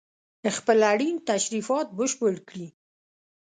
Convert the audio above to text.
خپل اړين تشريفات بشپړ کړي